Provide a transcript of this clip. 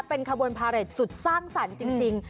เป็นขบวนพาเรทสุดสร้างสรรค์จริง